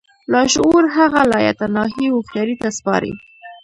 لاشعور هغه لايتناهي هوښياري ته سپاري.